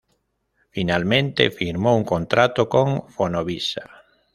Finalmente, firmó un contrato con Fonovisa.